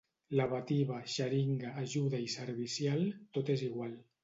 Lavativa, xeringa, ajuda i servicial tot és igual.